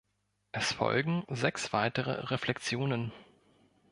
Es folgen sechs weitere Reflexionen.